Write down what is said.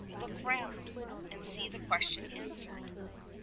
'Look round, And see the question answered!'